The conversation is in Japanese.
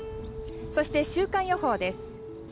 そして週間予報です。